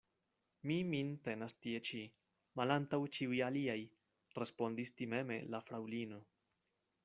Mi min tenas tie ĉi, malantaŭ ĉiuj aliaj, respondis timeme la fraŭlino.